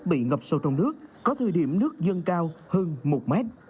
bị ngập sâu trong nước có thời điểm nước dâng cao hơn một mét